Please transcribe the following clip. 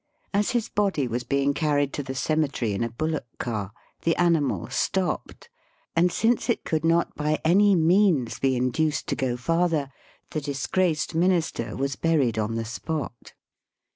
As his body was being carried to the cemetery in a bullock car the animal stopped, and since it could not by any means be induced to go farther, the disgraced minister was buried on the spot.